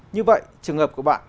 như vậy trường hợp của bạn